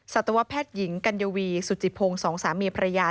สัตวแพทย์หญิงกัญวีสุจิพงศ์สองสามีภรรยา